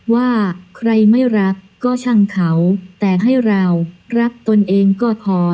ว่าใครไม่รักก็ช่างเขาแต่ให้เรารักตนเองก็พอ